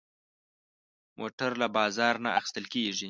موټر له بازار نه اخېستل کېږي.